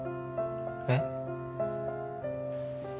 えっ？